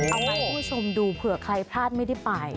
เอาให้คุณผู้ชมดูเผื่อใครพลาดไม่ได้ไป